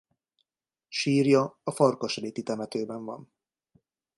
Sírja a Farkasréti temetőben van.